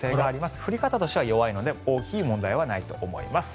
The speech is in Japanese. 降り方としては弱いので大きい問題はないと思います。